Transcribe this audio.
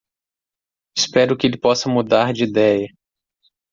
Espero que ele possa mudar de ideia.